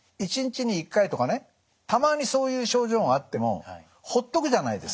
たまにそういう症状があってもほっとくじゃないですか。